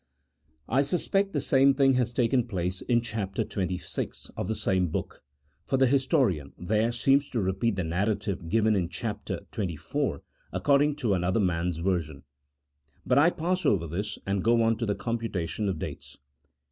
I suspect the same thing has taken place in chap. xxvi. of the same book, for the historian there seems to repeat the narrative given in chap. xxiv. according to another man's version. But I pass over this, and go on to the computation of dates.